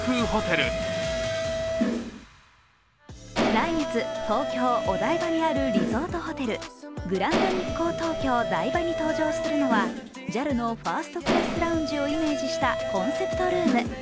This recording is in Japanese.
来月、東京・お台場にあるリゾートホテルグランドニッコー東京台場に登場するのはＪＡＬのファーストクラスラウンジをイメージしたコンセプトルーム。